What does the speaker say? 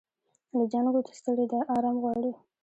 له جنګو ستړې ده آرام غواړي